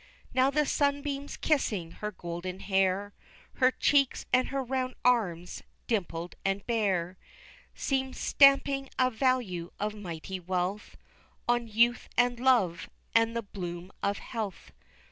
Now the sunbeams kissing her golden hair, Her cheeks, and her round arms dimpled and bare, Seemed stamping a value of mighty wealth On youth and love, and the bloom of health.